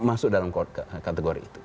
masuk dalam kategori itu